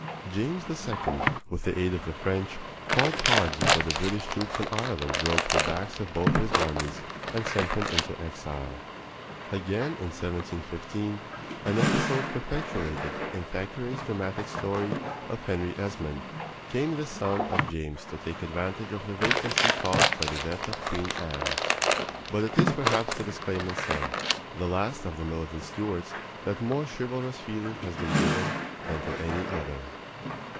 James II., with the aid of the French, fought hard before the British troops in Ireland broke the backs of both his armies and sent him into exile. Again in 1715 an episode perpetuated in Thackeray's dramatic story of Henry Esmond came the son of James to take advantage of the vacancy caused by the death of Queen Anne. But it is perhaps to this claimant's son, the last of the militant Stuarts, that more chivalrous feeling has been given than to any other.